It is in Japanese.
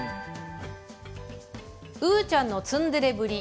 うーちゃんのツンデレぶり。